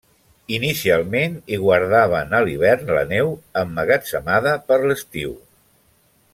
Inicialment hi guardaven a l'hivern la neu emmagatzemada per l'estiu.